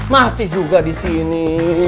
masih juga disini